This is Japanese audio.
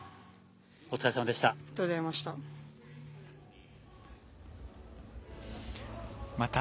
お疲れさまでした。